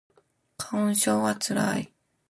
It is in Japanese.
花粉症はつらい